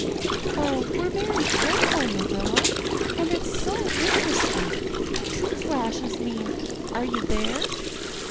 "Oh, we're very careful, Marilla. And it's so interesting. Two flashes mean, 'Are you there?